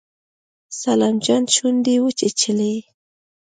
سلام جان شونډې وچيچلې.